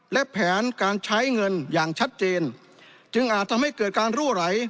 และแผนการใช้เงินอย่างชัดเจนจึงอาจทำให้เกิดการรั่วไหล